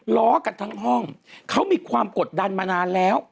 ล้อกันทั้งห้องเขามีความกดดันมานานแล้ว